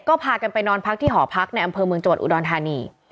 ก็พากันไปนอนพักที่หอพักในอำเภอเมืองจังหวัดอุดรธานี